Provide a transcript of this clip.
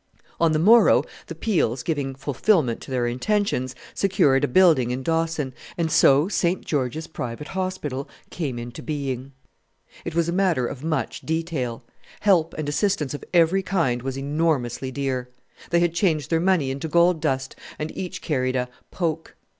On the morrow the Peels, giving fulfilment to their intentions, secured a building in Dawson; and so St. George's Private Hospital came into being. It was a matter of much detail. Help and assistance of every kind was enormously dear. They had changed their money into gold dust, and each carried a "poke."